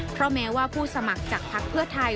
เพราะแม้ว่าผู้สมัครจากภักดิ์เพื่อไทย